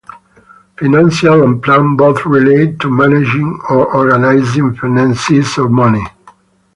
Financial and plan both relate to managing or organizing finances or money.